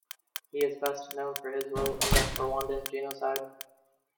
He is best known for his role in the Rwandan Genocide.